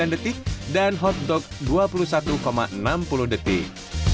waktu dua puluh enam enam puluh sembilan detik dan hotdog dua puluh satu enam puluh detik